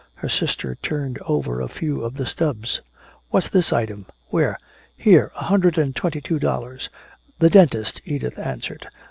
Her sister turned over a few of the stubs. "What's this item?" "Where?" "Here. A hundred and twenty two dollars." "The dentist," Edith answered.